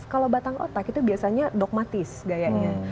kalau batang otak itu biasanya dogmatis gayanya